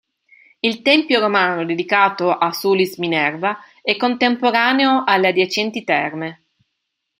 Il tempio romano dedicato a Sulis-Minerva è contemporaneo alle adiacenti Terme.